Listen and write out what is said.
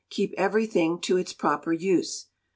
Keep everything to its proper use.